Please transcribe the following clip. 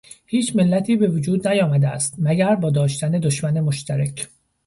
هیچ ملتی به وجود نیامده است مگر با داشتن دشمن مشترک